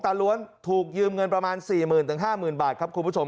ล้วนถูกยืมเงินประมาณ๔๐๐๐๕๐๐บาทครับคุณผู้ชม